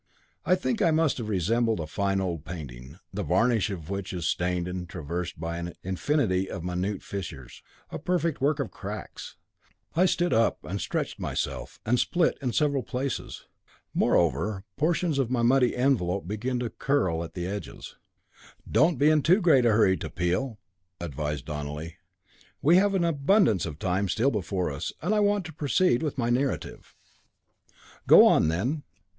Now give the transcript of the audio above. I think I must have resembled a fine old painting, the varnish of which is stained and traversed by an infinity of minute fissures, a perfect network of cracks. I stood up and stretched myself, and split in several places. Moreover, portions of my muddy envelope began to curl at the edges. "Don't be in too great a hurry to peel," advised Donelly. "We have abundance of time still before us, and I want to proceed with my narrative." "Go on, then.